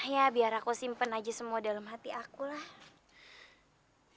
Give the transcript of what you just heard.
ya biar aku simpen aja semua dalam hati aku lah